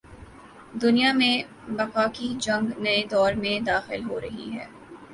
دنیا میں بقا کی جنگ نئے دور میں داخل ہو رہی ہے۔